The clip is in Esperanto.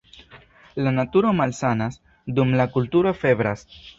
La naturo malsanas, dum la kulturo febras.